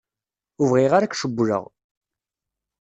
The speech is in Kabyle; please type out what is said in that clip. Ur bɣiɣ ara ad k-cewwleɣ.